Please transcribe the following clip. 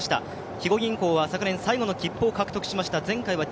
肥後銀行は昨年、最後の切符を獲得しました。